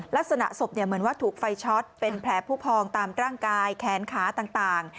ลักษณะศพเหมือนว่าถูกไฟช็อตเป็นแผลผู้พองตามร่างกายแขนขาต่าง